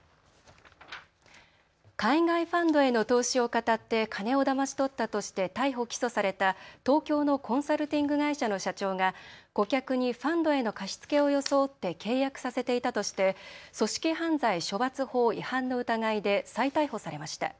海外ファンドへの投資をかたって金をだまし取ったとして逮捕・起訴された東京のコンサルティング会社の社長が顧客にファンドへの貸し付けを装って契約させていたとして組織犯罪処罰法違反の疑いで再逮捕されました。